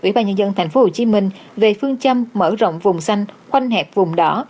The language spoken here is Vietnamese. ủy ban nhân dân tp hcm về phương châm mở rộng vùng xanh quanh hẹp vùng đỏ